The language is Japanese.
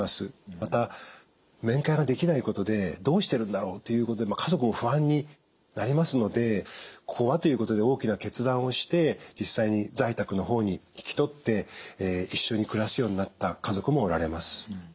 また面会ができないことでどうしてるんだろうっていうことで家族も不安になりますので「ここは」ということで大きな決断をして実際に在宅の方に引き取って一緒に暮らすようになった家族もおられます。